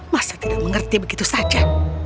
masa tidak mengerti begitu saja